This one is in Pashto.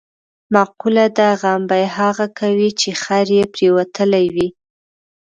مقوله ده: غم به یې هغه کوي، چې خر یې پرېوتلی وي.